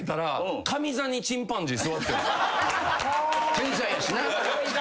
天才やしな。